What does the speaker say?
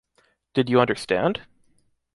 Did you understand?